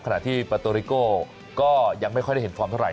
ขณะที่ปาโตริโก้ก็ยังไม่ค่อยได้เห็นฟอร์มเท่าไห